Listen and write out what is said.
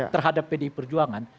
terhadap pdi perjuangan